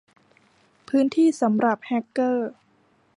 พื้นที่สำหรับแฮกเกอร์